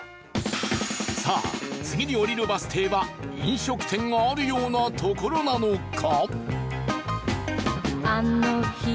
さあ次に降りるバス停は飲食店があるような所なのか？